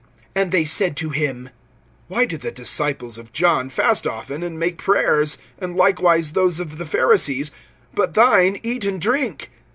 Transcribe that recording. (33)And they said to him: Why do the disciples of John fast often, and make prayers, and likewise those of the Pharisees, but thine eat and drink?